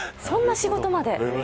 そんな仕事まで。